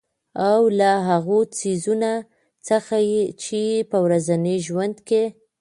او له هـغو څـيزونه څـخـه چـې په ورځـني ژونـد کـې